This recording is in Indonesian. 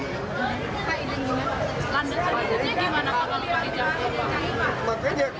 kita reklamasi tetap jalan saya pakai izin sendiri